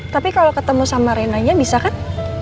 tapi kalau ketemu sama renanya bisa kan